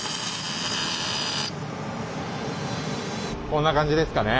こんな感じですかね。